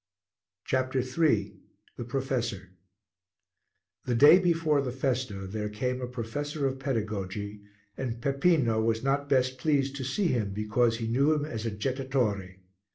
CHAPTER III THE PROFESSOR The day before the festa there came a professor of pedagogy, and Peppino was not best pleased to see him because he knew him as a jettatore.